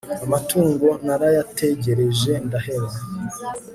amatungo narayategereje ndaheba